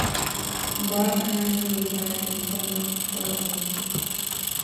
Brock currently resides in Portland, Oregon.